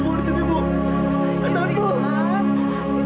saya tidak ingin berada di rumahmu